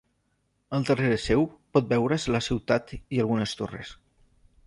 Al darrere seu pot veure's la ciutat i algunes torres.